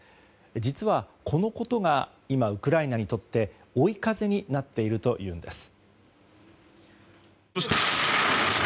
実は、このことが今、ウクライナにとって追い風になっているというんです。